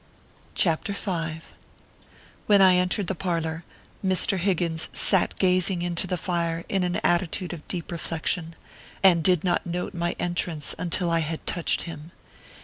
CHAPTER v. When I entered the parlor, Mr. Higgins sat gazing into the fire in an attitude of deep reflection, and did not note my entrance until I had touched him.